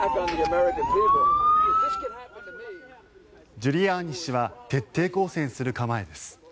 ジュリアーニ氏は徹底抗戦する構えです。